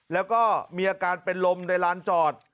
แล้วก็มีอาการเป็นลมในลานจอด